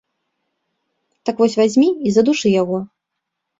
Так вось вазьмі і задушы яго.